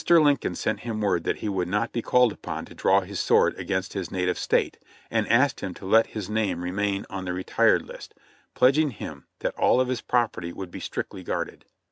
Lincoln sent him word that he would not be called upon to draw his sword against his native State, and asked him to let his name remain on the retired list, pledging him that all of his property would be strictly guarded.